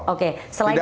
oke selain itu ya